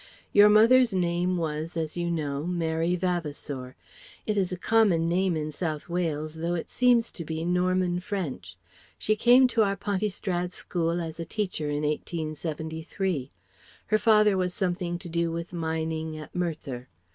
Your mother's name was, as you know, Mary Vavasour. It is a common name in South Wales though it seems to be Norman French. She came to our Pontystrad school as a teacher in 1873. Her father was something to do with mining at Merthyr.